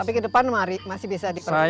tapi ke depan masih bisa diperbai